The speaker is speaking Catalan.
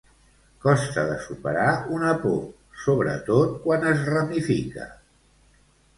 Costa de superar una por, sobretot quan es ramifica.